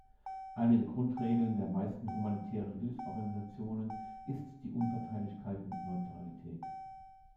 Eine der Grundregeln der meisten humanitären Hilfsorganisationen ist die Unparteilichkeit und Neutralität.